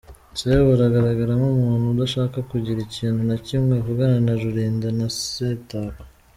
Sebu aragaragara nk’umuntu udashaka kugira ikintu na kimwe avugana na Rulinda na Setako.